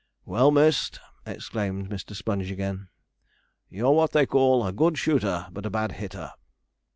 'Well missed!' exclaimed Mr. Sponge again. 'You're what they call a good shooter but a bad hitter.'